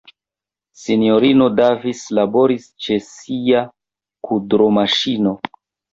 Sinjorino Davis laboris ĉe sia kudromaŝino.